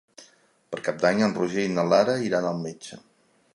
Per Cap d'Any en Roger i na Lara iran al metge.